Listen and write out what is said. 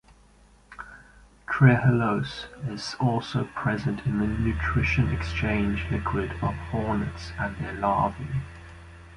Trehalose is also present in the nutrition exchange liquid of hornets and their larvae.